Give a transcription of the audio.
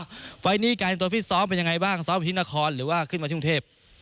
ไฟล์นี้กลายเป็นตัวฟิตซ้อมเป็นยังไงบ้างซ้อมอยู่ที่นครหรือว่าขึ้นมาที่กรุงเทพ